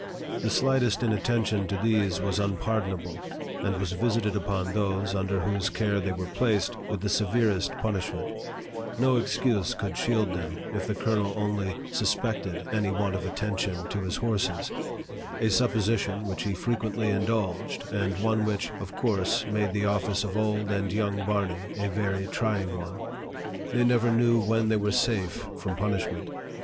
The slightest inattention to these was unpardonable, and was visited upon those, under whose care they were placed, with the severest punishment; no excuse could shield them, if the colonel only suspected any want of attention to his LIFE OF FREDERICK DOUGLASS. 1*7 horses a supposition which he frequently indulged, and one which, of course, made the office of old and young Barney a very trying one. They never knew when they were safe from punishment.